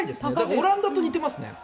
オランダと似てますね。